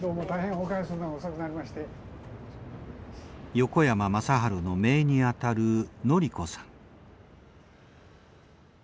横山正治の姪にあたる徳子さん。